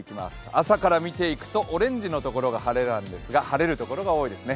朝から見ていくとオレンジのところが晴れなんですが、晴れるところが多いですね。